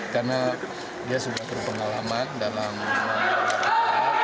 karena dia sudah terpengalaman dalam beberapa hal